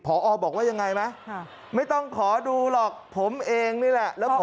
พอบอกว่ายังไงไหมไม่ต้องขอดูหรอกผมเองนี่แหละแล้วขอ